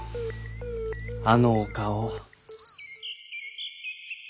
あのお顔。